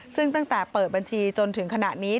ซึ่งตั้งแต่เปิดบัญชีจนถึงขณะนี้